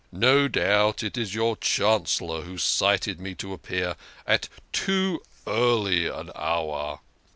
No doubt it is your Chancellor who cited me to appear at too early an hour."